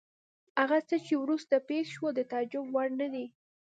هغه څه چې وروسته پېښ شول د تعجب وړ نه دي.